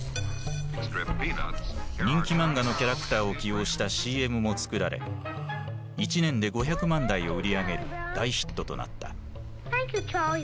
人気漫画のキャラクターを起用したＣＭもつくられ１年で５００万台を売り上げる大ヒットとなった。